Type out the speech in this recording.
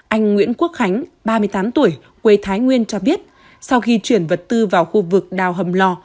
anh nguyễn quốc khánh ba mươi tám tuổi quê thái nguyên cho biết sau khi chuyển vật tư vào khu vực đào hầm lò